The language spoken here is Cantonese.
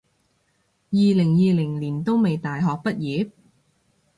二零二零年都未大學畢業？